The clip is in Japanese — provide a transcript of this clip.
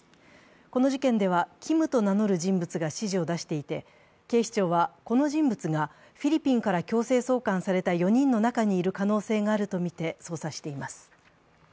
この事件ではＫｉｍと名乗る人物が指示を出していて警視庁はこの人物がフィリピンから強制送還された４人の中にいる可能性があるとみて捜査しています。